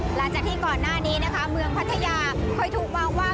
หลังจากที่ก่อนหน้านี้เมืองพัทยาค่อยถูกว่าว่า